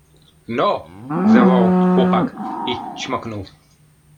— Noo! — zawołał chłopak i cmoknął.